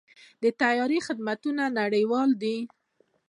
د طیارې خدمتونه نړیوال دي.